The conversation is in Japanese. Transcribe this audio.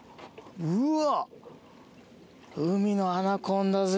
うわ！